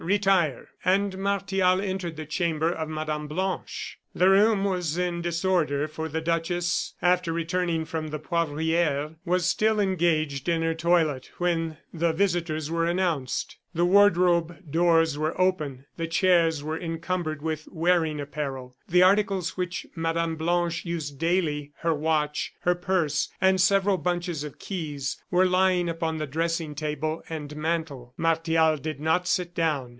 Retire." And Martial entered the chamber of Mme. Blanche. The room was in disorder, for the duchess, after returning from the Poivriere, was still engaged in her toilet when the visitors were announced. The wardrobe doors were open, the chairs were encumbered with wearing apparel, the articles which Mme. Blanche used daily her watch, her purse, and several bunches of keys were lying upon the dressing table and mantel. Martial did not sit down.